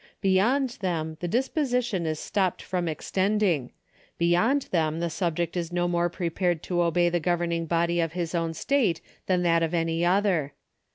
Beyond them the disposi tion is stopped from extending ; beyond them the subject is no more pre pared to obey the governing body of his own state than that of any other.